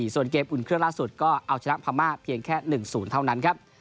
ส่วนเกมอุ่นเครื่องล่าสุดก็เอาชนะพม่าเพียงแค่๑๐เท่านั้นครับ